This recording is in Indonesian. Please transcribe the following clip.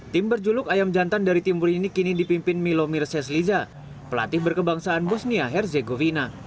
tim berjuluk ayam jantan dari timur ini kini dipimpin milomir sesliza pelatih berkebangsaan bosnia herzegovina